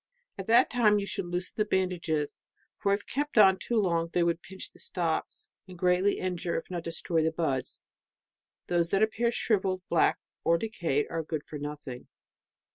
At that time you should loosen the bandages, for if kept on too long they would pinch the stocks, and greatly injure if not destroy the buds. Those that appear shrivelled, black, or decayed, are good for nothing.